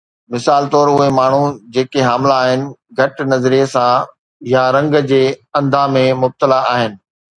مثال طور، اهي ماڻهو جيڪي حامله آهن گهٽ نظريي سان يا رنگ جي انڌا ۾ مبتلا آهن